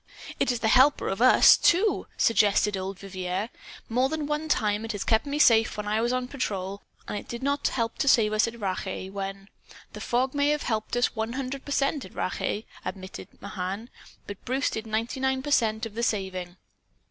It " "It is the helper of US, too," suggested old Vivier. "More than one time, it has kept me safe when I was on patrol. And did it not help to save us at Rache, when " "The fog may have helped us, one per cent, at Rache," admitted Mahan. "But Bruce did ninety nine per cent of the saving."